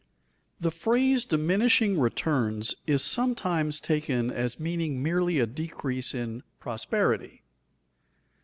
_The phrase diminishing returns is sometimes taken as meaning merely a decrease in prosperity.